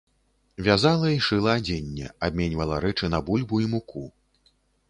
Вязала і шыла адзенне, абменьвала рэчы на бульбу і муку.